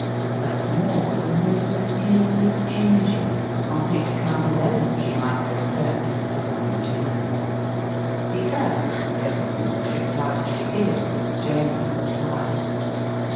Further, more, the moon is continually changing ; on which ac count alone she might be referred to the feminine gen der. The earth is feminine, tricked out, as she is, with gems and flowers.